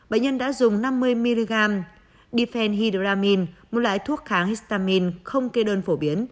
bệnh nhân đã dùng năm mươi mg defend hydramine một loại thuốc kháng histamine không kê đơn phổ biến